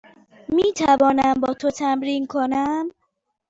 می توانم با تو تمرین کنم؟